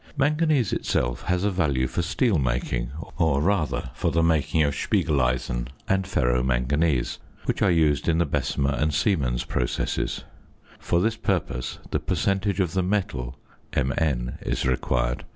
Manganese itself has a value for steel making; or, rather, for the making of spiegeleisen and ferro manganese, which are used in the Bessemer and Siemens processes. For this purpose the percentage of the metal (Mn) is required.